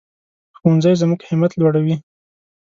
ښوونځی زموږ همت لوړوي